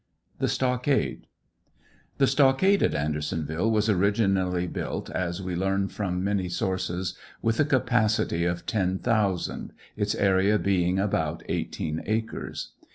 THE STOCKADE. The stockade at Andersonville was originally built, as we learn from many sources, with a capacity of 10,000, its area being about eighteen acres.